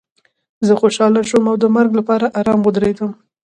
زه خوشحاله شوم او د مرګ لپاره ارام ودرېدم